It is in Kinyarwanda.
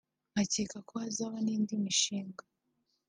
nkakeka ko hazabaho n’indi mishinga